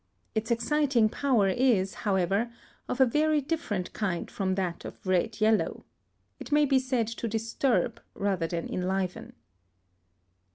Its exciting power is, however, of a very different kind from that of the red yellow. It may be said to disturb rather than enliven.